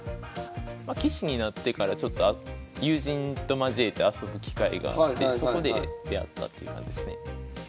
棋士になってからちょっと友人と交えて遊ぶ機会があってそこで出会ったっていう感じですね。